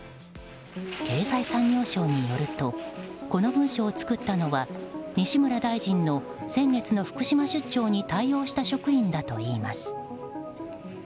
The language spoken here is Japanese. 経済産業省によるとこの文書を作ったのは西村大臣の先月の福島出張に対応した職員だといいます。